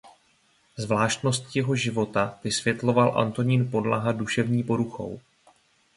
Zvláštnosti jeho života vysvětloval Antonín Podlaha duševní poruchou.